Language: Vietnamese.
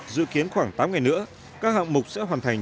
dự kiến khoảng tám ngày nữa các hạng mục sẽ hoàn thành